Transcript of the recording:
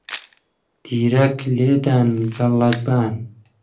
تیرەک لێدان، گڵەبان